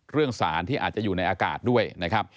สารที่อาจจะอยู่ในอากาศด้วยนะครับ